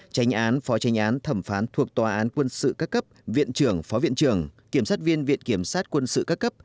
tranh án phó tranh án thẩm phán thuộc tòa án quân sự các cấp viện trưởng phó viện trưởng kiểm sát viên viện kiểm sát quân sự các cấp